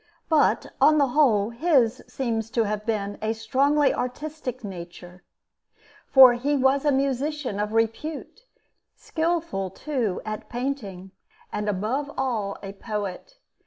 But, on the whole, his seems to have been a strongly artistic nature; for he was a musician of repute, skillful too at painting, and above all a poet.